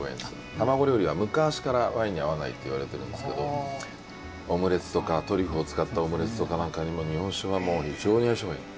卵料理は昔からワインに合わないって言われてるんですけどオムレツとかトリュフを使ったオムレツとか何かにも日本酒は非常に相性がいい。